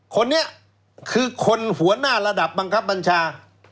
คนนี้คือคนหัวหน้าระดับบังคับบัญชา